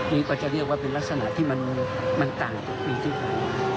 นี่ก็จะเรียกว่าเป็นลักษณะที่มันต่างจากปีที่ผ่านมา